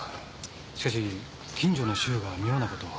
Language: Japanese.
しかし近所の主婦が妙なことを。